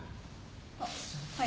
あっはい。